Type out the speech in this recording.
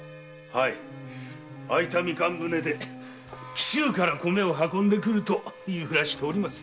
空いたみかん船で紀州から米を運ぶと言いふらしています。